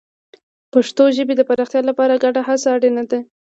د پښتو ژبې د پراختیا لپاره ګډه هڅه اړینه ده.